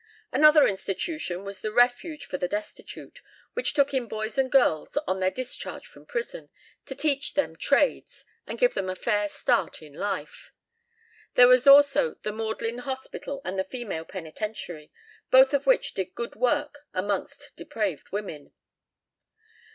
Another institution was the Refuge for the Destitute, which took in boys and girls on their discharge from prison, to teach them trades and give them a fair start in life. There were also the Magdalen Hospital and the Female Penitentiary, both of which did good work amongst depraved women.